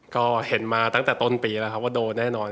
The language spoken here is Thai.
ก็เห็นมาตั้งแต่ต้นปีแล้วครับว่าโดนแน่นอน